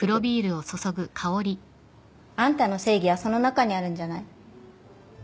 あんたの正義はその中にあるんじゃない？